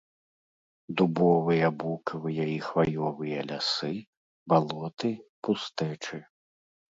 Дубовыя, букавыя і хваёвыя лясы, балоты, пустэчы.